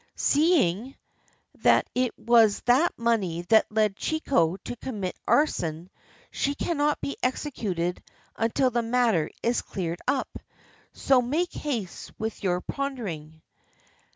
Seeing that it was that money that led Chiko to commit arson, she cannot be executed until the matter is cleared up. So make haste with your pondering."